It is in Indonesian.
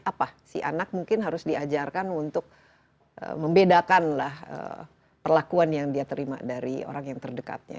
apa si anak mungkin harus diajarkan untuk membedakan perlakuan yang dia terima dari orang yang terdekatnya